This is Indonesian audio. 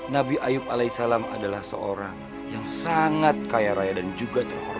nabi ayub alai salam adalah seorang yang sangat kaya raya dan juga terhormat